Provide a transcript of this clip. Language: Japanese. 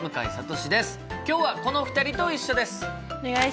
今日はこの２人と一緒です！